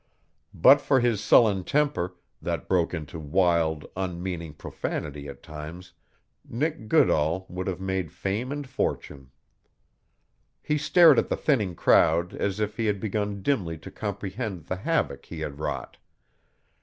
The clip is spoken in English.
But for his sullen temper, that broke into wild, unmeaning profanity at times, Nick Goodall would have made fame and fortune. He stared at the thinning crowd as if he had begun dimly to comprehend the havoc he had wrought.